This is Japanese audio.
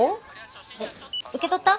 え受け取った？